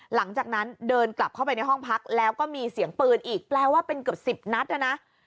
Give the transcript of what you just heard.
หลังจากนั้นเดินกลับเข้าไปในห้องพักแล้วก็มีเสียงปืนอีกแปลว่าเป็นเกือบสิบนัดนะนะ